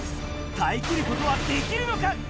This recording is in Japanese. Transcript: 耐えきることはできるのか？